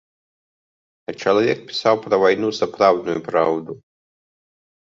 А чалавек пісаў пра вайну сапраўдную праўду.